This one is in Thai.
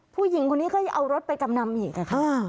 ผู้หญิงคนนี้ก็เอารถไปจำนำอีกค่ะ